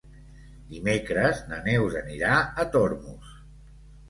Dimecres na Neus anirà a Tormos.